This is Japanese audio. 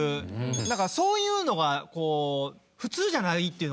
なんかそういうのがこう普通じゃないっていうのかな。